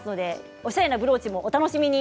おしゃれなブローチもお楽しみに。